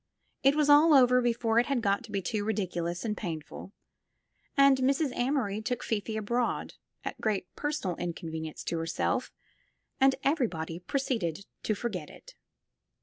It was all over before it had got to be too ridiculous and painful, and Mrs. Amory took Fifi abroad, at great inconvenience to her self, and everybody proceeded to forget it.